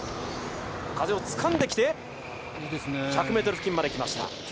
風をつかんできて１００ｍ付近まで来ました。